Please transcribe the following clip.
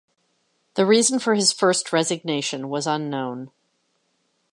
The reason for his first resignation was unknown.